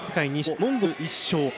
モンゴル１勝。